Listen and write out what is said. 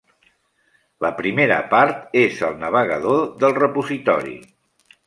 La primera part és el navegador del repositori.